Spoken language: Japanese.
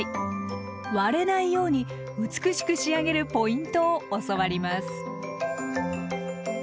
割れないように美しく仕上げるポイントを教わります。